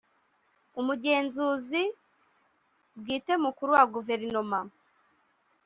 Umugenzuzi Bwite Mukuru wa Guverinoma